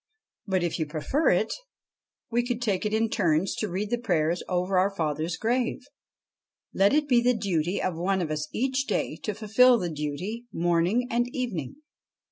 But, if you prefer it, we could take it in turns to read the prayers over our father's grave. Let it be the duty of one of us each day to fulfil the duty, morning and evening.'